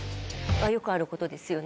よくあることですよね。